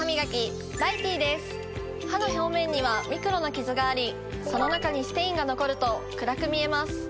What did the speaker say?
歯の表面にはミクロなキズがありその中にステインが残ると暗く見えます。